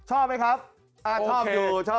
โอเค